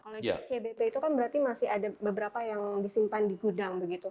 kalau kbp itu kan berarti masih ada beberapa yang disimpan di gudang begitu